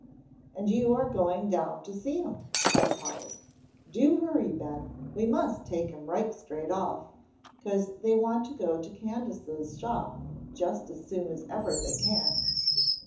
"And you are going down to see him," cried Polly. "Do hurry, Ben, we must take him right straight off, 'cause they want to go to Candace's shop just as soon as ever they can."